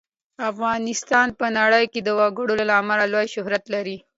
افغانستان په نړۍ کې د وګړي له امله لوی شهرت لري.